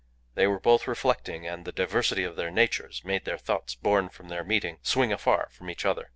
They were both reflecting, and the diversity of their natures made their thoughts born from their meeting swing afar from each other.